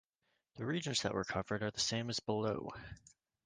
The regions that were covered are the same as below.